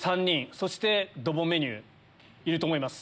そしてドボンメニューいると思います。